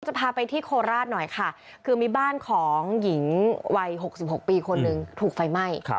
พาไปที่โคราชหน่อยค่ะคือมีบ้านของหญิงวัย๖๖ปีคนหนึ่งถูกไฟไหม้